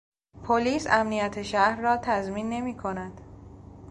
پلیس امنیت شهر را تضمین نمیکند.